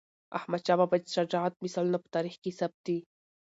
احمدشاه بابا د شجاعت مثالونه په تاریخ کې ثبت دي.